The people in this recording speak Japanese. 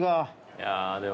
いやでも。